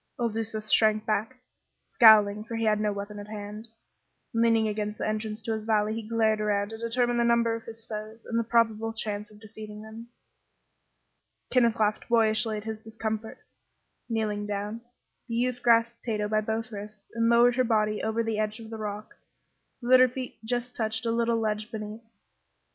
Il Duca shrank back, scowling, for he had no weapon at hand. Leaning against the entrance to his valley he glared around to determine the number of his foes and the probable chance of defeating them. Kenneth laughed boyishly at his discomfiture. Kneeling down, the youth grasped Tato by both wrists and lowered her body over the edge of the rock so that her feet just touched a little ledge beneath.